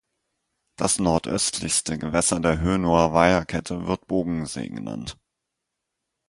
Das nordöstlichste Gewässer der Hönower Weiherkette wird Bogensee genannt.